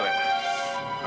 alena tunggu alena